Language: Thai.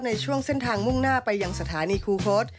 ในช่วงเส้นทางมุ่งหน้าไปยังสถานีคูโค้ด